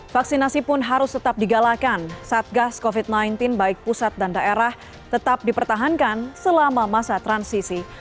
vaksinasi pun harus tetap digalakan saat gas covid sembilan belas baik pusat dan daerah tetap dipertahankan selama masa transisi